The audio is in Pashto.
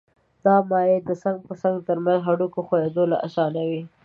دا مایع د څنګ په څنګ تر منځ هډوکو ښویېدل آسانوي.